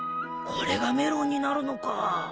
これがメロンになるのか。